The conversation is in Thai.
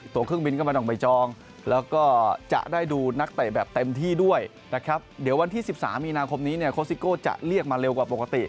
ตัวเครื่องบินก็มันออกไปจองแล้วก็จะได้ดูนักไตแบบเต็มที่ด้วยนะครับ